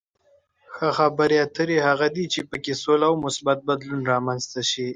ښه خبرې اترې هغه دي چې په کې سوله او مثبت بدلون رامنځته شي.